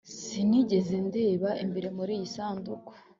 sinigeze ndeba imbere muriyi sanduku